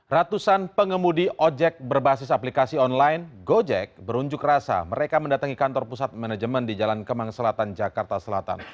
ratusan pengemudi ojek berbasis aplikasi online gojek berunjuk rasa mereka mendatangi kantor pusat manajemen di jalan kemang selatan jakarta selatan